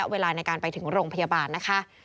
เวลาในการไปถึงโรงพยาบาลนะคะ